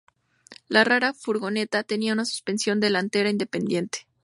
La rara furgoneta tenía una suspensión delantera independiente.